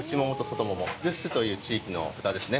留寿都という地域の豚ですね